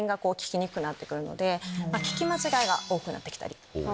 聞き間違いが多くなってきたり。